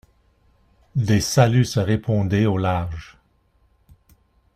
Des saluts se répondaient au large.